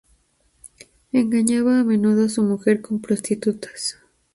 Engañaba a menudo a su mujer con prostitutas.